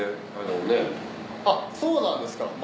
そうなんですか？